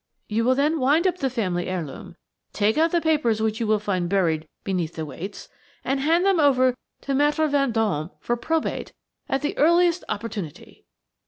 You will then wind up the family heirloom, take out the papers which you will find buried beneath the weights, and hand them over to Maître Vendôme for probate at the earliest opportunity.